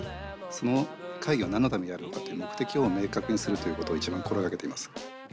その会議はなんのためにあるのかっていう目的を明確にするということをいちばん心がけています。